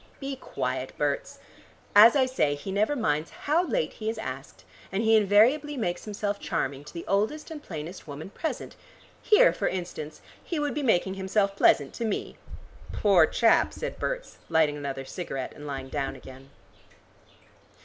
"Be quiet, Berts. As I say, he never minds how late he is asked, and he invariably makes himself charming to the oldest and plainest woman present. Here, for instance, he would be making himself pleasant to me." "Poor chap!" said Berts, lighting another cigarette, and lying down again.